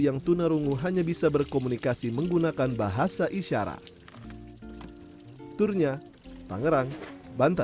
yang tuna rungu hanya bisa berkomunikasi menggunakan bahasa isyarat turnya tangerang bante